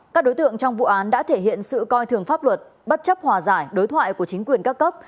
các đối tượng trong vụ án đã thể hiện sự coi thường pháp luật bất chấp hòa giải đối thoại của chính quyền các cấp